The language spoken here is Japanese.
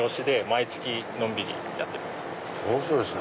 毎月のんびりやってます。